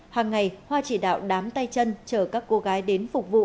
hàng ngày hoa chỉ đạo đám tay chân chở các cô gái đến phục vụ